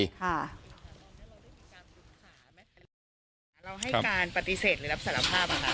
เราให้การปฏิเสธหรือรับสารภาพบ้างครับ